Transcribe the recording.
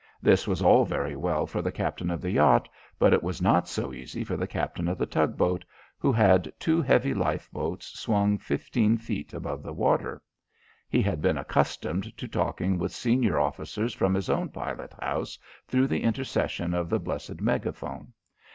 This was all very well for the captain of the yacht, but it was not so easy for the captain of the tug boat who had two heavy lifeboats swung fifteen feet above the water. He had been accustomed to talking with senior officers from his own pilot house through the intercession of the blessed megaphone.